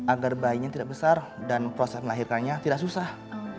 agar bayinya tidak besar dan proses melahirkannya tidak susah